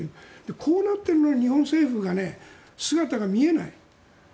こういうのに日本政府は姿が見えない。